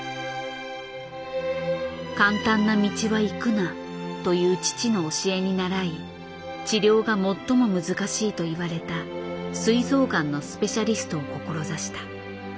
「簡単な道は行くな」という父の教えに倣い治療が最も難しいといわれたすい臓がんのスペシャリストを志した。